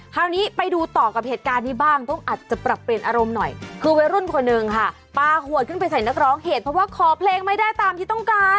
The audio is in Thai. คราวนี้ไปดูต่อกับเหตุการณ์นี้บ้างต้องอาจจะปรับเปลี่ยนอารมณ์หน่อยคือวัยรุ่นคนหนึ่งค่ะปลาขวดขึ้นไปใส่นักร้องเหตุเพราะว่าขอเพลงไม่ได้ตามที่ต้องการ